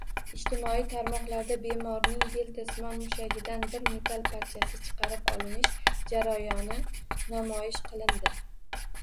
Ijtimoiy tarmoqlarda bemorning deltasimon mushagidan bir metall parchasi chiqarib olinish jarayoni namoyish qilindi